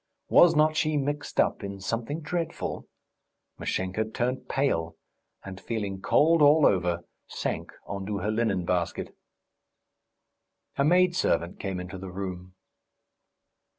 Was not she mixed up in something dreadful? Mashenka turned pale, and feeling cold all over, sank on to her linen basket. A maid servant came into the room.